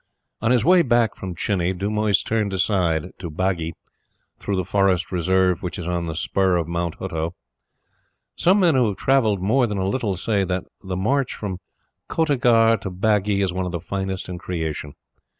On his way back from Chini, Dumoise turned aside to Bagi, through the Forest Reserve which is on the spur of Mount Huttoo. Some men who have travelled more than a little say that the march from Kotegarh to Bagi is one of the finest in creation.